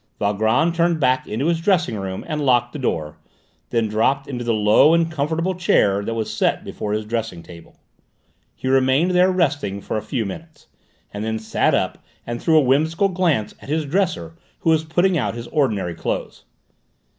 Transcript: Valgrand turned back into his dressing room and locked the door, then dropped into the low and comfortable chair that was set before his dressing table. He remained there resting for a few minutes, and then sat up and threw a whimsical glance at his dresser who was putting out his ordinary clothes.